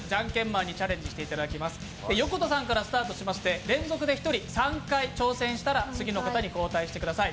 横田さんからスタートしまして、連続で１人３回挑戦したら次の方に交代してください。